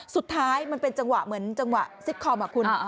สุดท้ายมันเป็นจังหวะเหมือนจังหวะซิกคอมอ่ะคุณ